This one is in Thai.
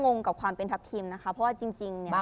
งงกับความเป็นทัพทีมนะคะเพราะว่า